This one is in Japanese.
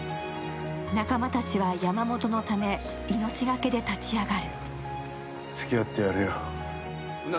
仲間たちは山本のため、命懸けで立ち上がる。